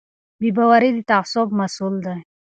بې باوري د تعصب محصول دی